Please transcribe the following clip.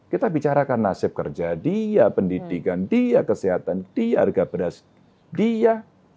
kita bicarakan nasib kerja dia pendidikan dia kesehatan dia harga beras dia